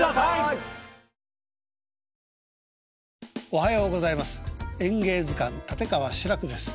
おはようございます。